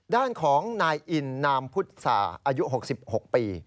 ด้านของนายอินนามพุทธศาอายุ๖๖ปี